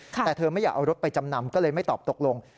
แต่เธอไม่อยากเอารถไปจำนำก็เลยไม่ตอบตกลง